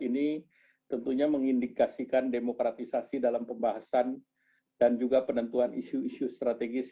ini tentunya mengindikasikan demokratisasi dalam pembahasan dan juga penentuan isu isu strategis